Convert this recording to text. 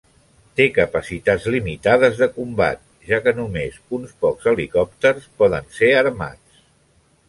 Té capacitats limitades de combat, ja que només uns pocs helicòpters poden ser armats.